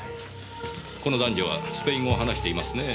この男女はスペイン語を話していますねえ。